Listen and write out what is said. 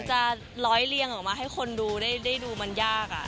จะร้อยเลี่ยงออกมาให้คนดูได้ดูมันยาก